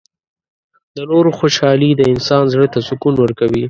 • د نورو خوشحالي د انسان زړۀ ته سکون ورکوي.